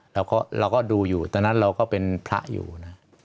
เราก็ดูอยู่ตอนนั้นเราก็เป็นพระอยู่นะ